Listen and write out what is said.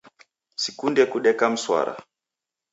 Sikunde kudeka mswara